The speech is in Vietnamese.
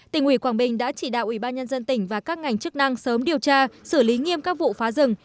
tỉnh ủy quảng bình đã chỉ đạo ủy ban nhân dân tỉnh và các ngành chức năng sớm điều tra xử lý nghiêm các vụ phá rừng